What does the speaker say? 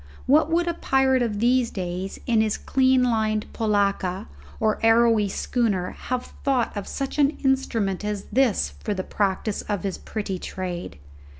What would a pirate of these days, in his clean lined polacca or arrowy schooner, have thought of such an instrument as this for the practice of his pretty trade?